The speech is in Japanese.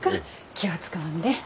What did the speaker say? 気は使わんでん。